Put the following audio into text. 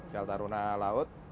kal taruna laut